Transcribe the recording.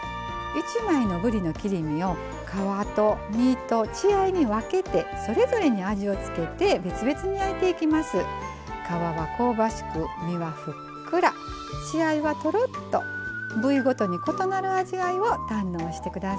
１枚のぶりの切り身を皮と身と血合いに分けてそれぞれに味を付けて別々に焼いていきます。